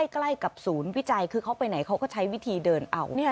ใกล้กับศูนย์วิจัยคือเขาไปไหนเขาก็ใช้วิธีเดินเอา